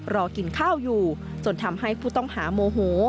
รอกินข้าวอยู่จนทำให้ผู้ต้องหาโมโห